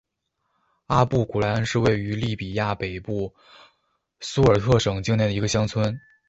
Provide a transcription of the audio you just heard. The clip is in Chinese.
阿布古来恩是位于利比亚北部苏尔特省境内的一个乡村。